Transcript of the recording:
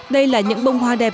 đây là những bông hoa đẹp